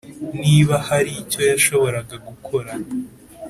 niba hari icyo yashoboraga gukora.